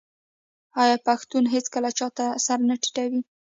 آیا پښتون هیڅکله چا ته سر نه ټیټوي؟